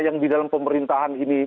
yang di dalam pemerintahan ini